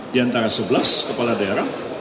diantara sebelas kepala daerah